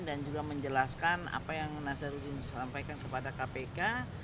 dan juga menjelaskan apa yang nazarudin sampaikan kepada kpk